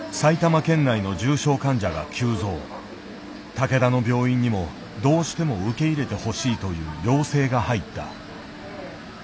竹田の病院にもどうしても受け入れてほしいという要請が入った。